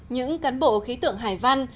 những cán bộ khí tượng hải văn